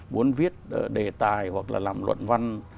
muốn viết đề tài hoặc là làm luận văn